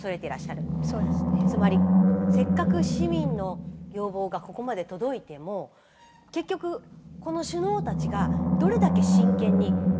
つまりせっかく市民の要望がここまで届いても結局この首脳たちがどれだけ真剣に向き合ってくれるのか。